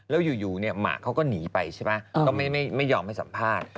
แล้วอยู่เนี่ยหมากเขาก็หนีไปใช่ไหมก็ไม่ยอมให้สัมภาษณ์